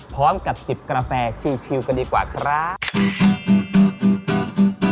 พร้อมกับจิบกาแฟชิวกันดีกว่าครับ